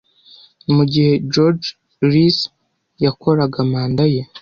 Mugihe George Reece yakoraga manda ye